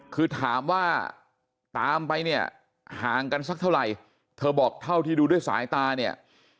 คือถามว่าตามไปเนี่ยห่างกันสักเท่าไหร่เธอบอกเท่าที่ดูด้วยสายตาเนี่ย